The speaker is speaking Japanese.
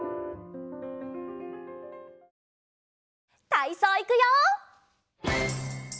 たいそういくよ！